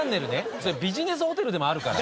それビジネスホテルでもあるから。